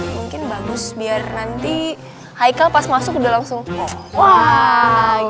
mungkin bagus biar nanti haikal pas masuk udah langsung wah